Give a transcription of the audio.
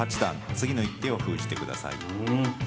次の一手を封じてください。